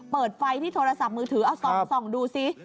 เปิดไฟที่โทรศัพท์มือถือเอาส่องดูซิ